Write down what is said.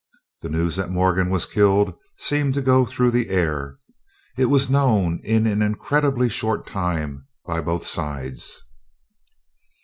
The news that Morgan was killed seemed to go through the air. It was known in an incredibly short time by both sides.